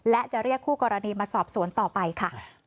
และจะเรียกคู่กรณีมาสอบสวนต่อไปค่ะ